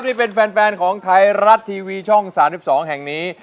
ที่เป็นแฟนของไทยรัฐทีวีช่อง๓๒แห่งนี้